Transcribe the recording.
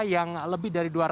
yang lebih dari dua ratus